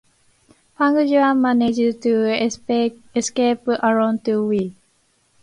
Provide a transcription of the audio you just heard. Pang Juan managed to escape alone to Wei.